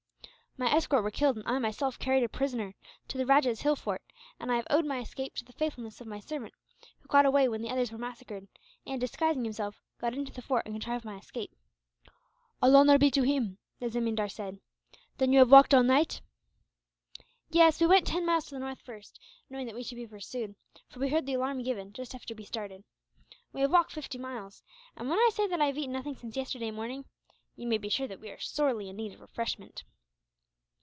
"My escort were killed, and I myself carried a prisoner to the rajah's hill fort; and I have owed my escape to the faithfulness of my servant, who got away when the others were massacred and, disguising himself, got into the fort and contrived my escape." "All honour be to him!" the zemindar said. "Then you have walked all night?" "Yes; we went ten miles to the north first, knowing that we should be pursued; for we heard the alarm given, just after we started. We have walked fifty miles and, when I say that I have eaten nothing since yesterday morning, you may be sure that we are sorely in need of refreshment."